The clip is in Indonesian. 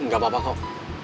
gak apa apa kok